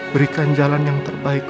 berikan jalan yang terbaik